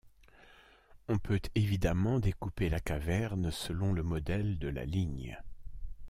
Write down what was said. On peut, évidemment, découper la caverne selon le modèle de la ligne.